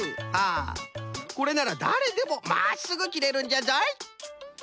これならだれでもまっすぐ切れるんじゃぞい。